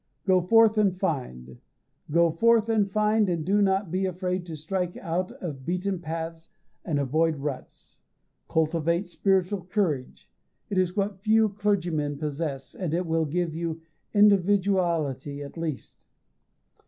Go forth and find go forth and find, and do not be afraid to strike out of beaten paths and avoid ruts. Cultivate spiritual courage. It is what few clergymen possess, and it will give you individuality at least.